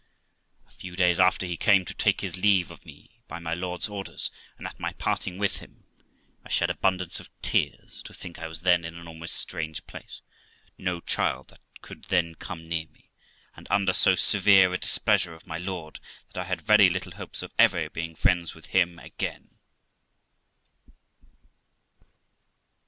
A few days after, he came to take his leave of me, by my lord's order, and at my parting with him I shed abundance of tears, to think I was then in an almost strange place, no child that could then come near me, and under so severe a displeasure of my lord, that I had very little hopes of ever being friends with him again.